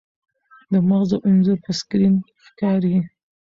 د مغزو انځور په سکرین ښکاري.